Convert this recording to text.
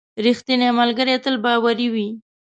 • رښتینی ملګری تل باوري وي.